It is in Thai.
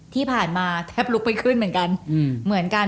ที่ผ่านมาแท็บลุคไม่ขึ้นเหมือนกัน